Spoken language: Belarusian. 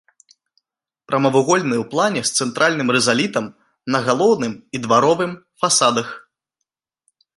Прамавугольны ў плане, з цэнтральным рызалітам на галоўным і дваровым фасадах.